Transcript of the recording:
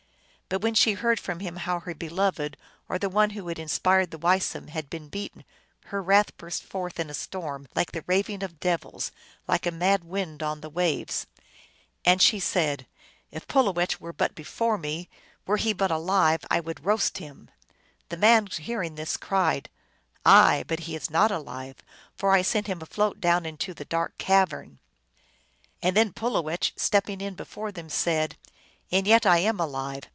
But when she heard from him how her beloved, or the one who had inspired the Weisum, had been beaten, her wrath burst forth in a storm, like the raving of devils, like a mad wind on the waves. And she said, " If Pulowech were but be fore me, were he but alive, I would roast him." The man, hearing this, cried, " Aye ; but he is not alive, for I sent him afloat down into the dark cavern !" And then Pulowech, stepping in before them, said, " And yet I am alive.